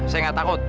saya gak takut